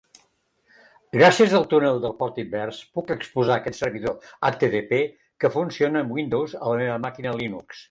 Gràcies al túnel de port invers, puc exposar aquest servidor HTTP que funciona amb Windows a la meva màquina Linux.